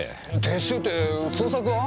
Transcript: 撤収って捜索は？